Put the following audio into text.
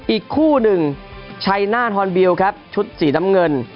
อีกคู่หนึ่งชัยหน้าทอนบิลครับชุดสีน้ำเงิน